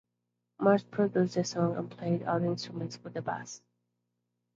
Mars produced the song and played all the instruments but the bass.